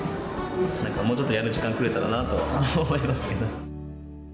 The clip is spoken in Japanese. なんかもうちょっとやる時間くれたらなとは思いますけど。